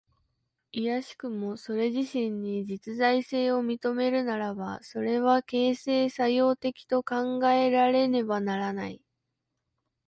いやしくもそれ自身に実在性を認めるならば、それは形成作用的と考えられねばならない。